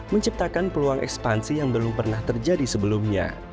menciptakan peluang ekspansi yang belum pernah terjadi sebelumnya